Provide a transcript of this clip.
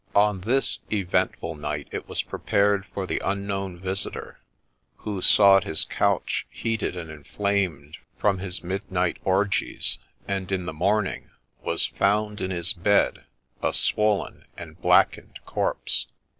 On this eventful night it was prepared for the unknown visitor, who sought his couch heated and inflamed from his midnight orgies, and in the morning was found in his bed a swollen and blackened corpse.